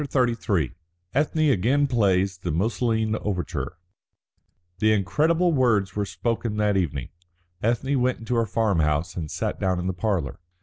CHAPTER XXXIII ETHNE AGAIN PLAYS THE MUSOLINE OVERTURE The incredible words were spoken that evening. Ethne went into her farm house and sat down in the parlour.